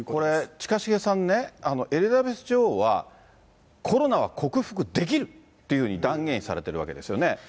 近重さんね、エリザベス女王は、コロナは克服できるっていうふうに断言されてるわけですよね。